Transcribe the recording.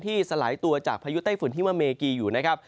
ที่สลายตัวจากพยุตไต้ฝนที่มะเมกีอยู่นะครับ